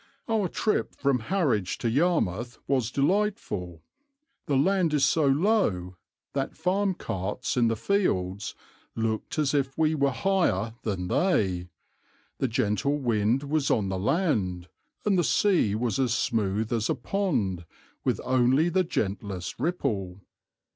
"Our trip from Harwich to Yarmouth was delightful; the land is so low that farm carts in the fields looked as if we were higher than they, the gentle wind was on the land, and the sea was as smooth as a pond with only the gentlest ripple.